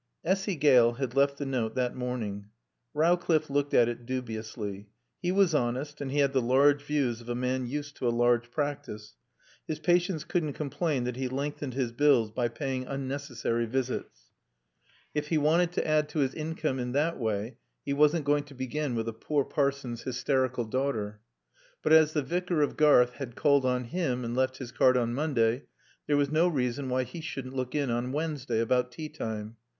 Essy Gale had left the note that morning. Rowcliffe looked at it dubiously. He was honest and he had the large views of a man used to a large practice. His patients couldn't complain that he lengthened his bills by paying unnecessary visits. If he wanted to add to his income in that way, he wasn't going to begin with a poor parson's hysterical daughter. But as the Vicar of Garth had called on him and left his card on Monday, there was no reason why he shouldn't look in on Wednesday about teatime.